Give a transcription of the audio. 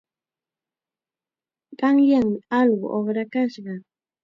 Qanyanmi allqu uqrakashqa.